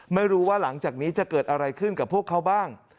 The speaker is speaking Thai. ไม่รู้ว่าหลังจากนี้จะเกิดอะไรขึ้นกับพวกเขาบ้าง